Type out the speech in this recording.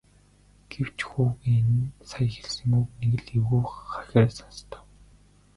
Гэвч хүүгийн нь сая хэлсэн үг нэг л эвгүй хахир сонстов.